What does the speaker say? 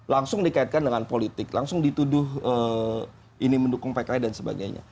langsung dikaitkan dengan politik langsung dituduh ini mendukung pki dan sebagainya